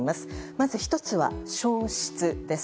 まず１つは消失です。